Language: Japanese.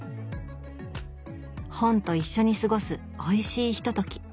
本と一緒に過ごすおいしいひととき。